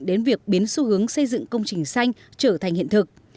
đến việc biến xu hướng xây dựng công trình xanh trở thành hiện thực